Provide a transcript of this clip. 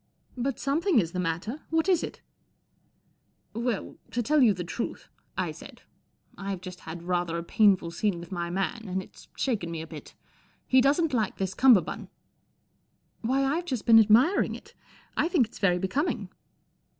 " But something is the matter. What is it ?"" Well, to tell you the truth," I said, " I've just had rather a painful scene with my man, and it's shaken me a bit. He doesn't like this cummerbund." " Why, I've just been admiring it. I think it's very becoming."